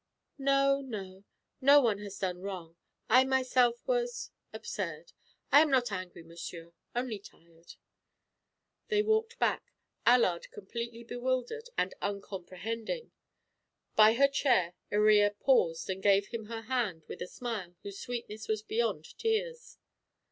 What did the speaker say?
"No, no; no one has done wrong. I myself was absurd. I am not angry, monsieur; only tired." They walked back, Allard completely bewildered and uncomprehending. By her chair Iría paused and gave him her hand with a smile whose sweetness was beyond tears.